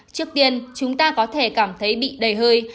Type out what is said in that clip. trước tiên chúng ta có thể cảm thấy bị đầy hơi